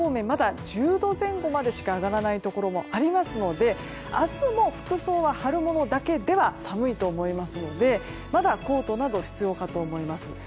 まだ１０度前後にしか上がらないところもありますので明日も服装は春物だけでは寒いと思いますのでまだコートなどは必要かと思います。